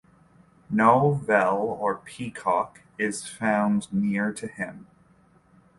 No Vel or peacock is found near to him.